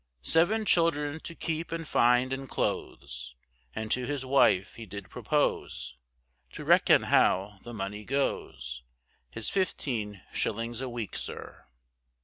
Seven children to keep and find in clothes, And to his wife he did propose, To reckon how the money goes, His fifteen shillings a week, sir.